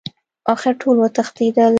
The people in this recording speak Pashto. اخر ټول وتښتېدل.